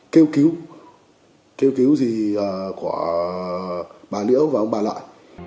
kêu cứu kêu cứu gì của bà liễu và ông bà lại